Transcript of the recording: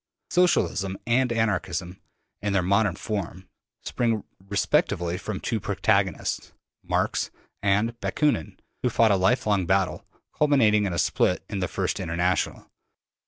Socialism and Anarchism, in their modern form, spring respectively from two protagonists, Marx and Bakunin, who fought a lifelong battle, culminating in a split in the first International.